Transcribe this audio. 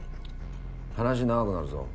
話長くなるぞ。